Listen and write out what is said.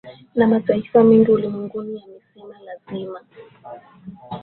na mataifa mengi ulimwenguni yamesema lazima